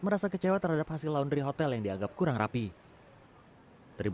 merasa kecewa terhadap hasil laundry hotel yang dianggap kurang rapi